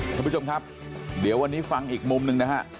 ท่านผู้ชมครับเดี๋ยววันนี้ฟังอีกมุมหนึ่งนะฮะ